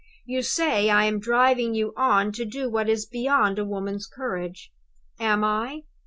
You say I am driving you on to do what is beyond a woman's courage. Am I?